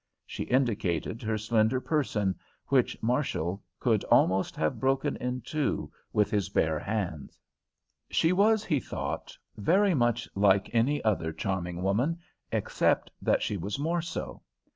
She indicated her slender person, which Marshall could almost have broken in two with his bare hands. She was, he thought, very much like any other charming woman, except that she was more so.